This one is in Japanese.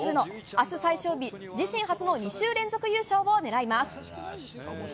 明日、最終日自身初の２週連続優勝を狙います。